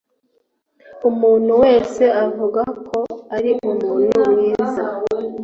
Umuntu wese avuga ko ari umuntu mwiza.